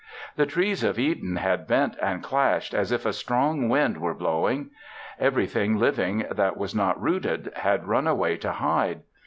The trees of Eden had bent and clashed as if a strong wind were blowing. Everything living that was not rooted, had run away to hide.